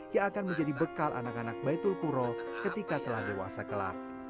yang akan menjadi bekal anak anak baitul kuro ketika telah dewasa kelak